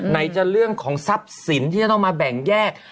ไหนจะเรื่องของทรัพย์สินที่จะต้องมาแบ่งแยก